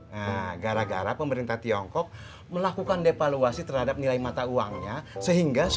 nah gara gara pemerintah tiongkok melakukan evaluasi terhadap nilai mata uangnya